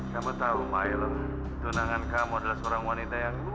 kamu tahu milo tunangan kamu adalah seorang wanita yang